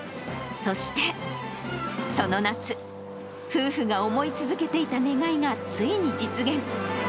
そして、その夏、夫婦が思い続けていた願いがついに実現。